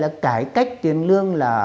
là cải cách tiền lương là